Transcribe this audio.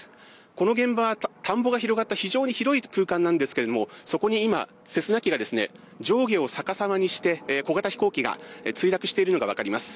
この現場は田んぼが広がった非常に広い空間なんですがそこに今、セスナ機が上下をさかさまにして小型飛行機が墜落しているのがわかります。